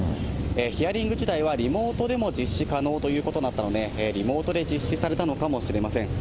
ヒアリング自体はリモートでも実施可能ということだったので、リモートで実施されたのかもしれません。